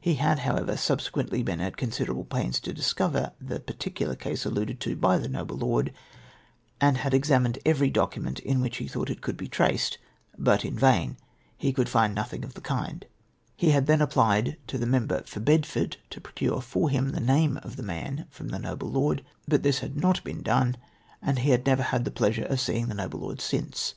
He had, however, subsequently been at considerable pains to discover the particular case alluded to by the noble lord, and had ex amined every document in which he thought it could be traced — but in vain — he could find nothing of the kind ; he had then applied to the member for Bedford to procure for him the name of the man from the noble lord, but this had not been done, and he had never had the pleasure of seeing the noble lord since.